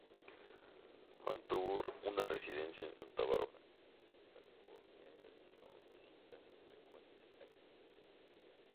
Mantuvo una residencia en Santa Bárbara, California y realizó visitas frecuentes allí.